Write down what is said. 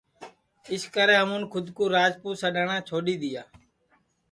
اِسکرے ہمُون کھود کُو راجپوت سڈؔاٹؔا چھوڈؔی دؔیا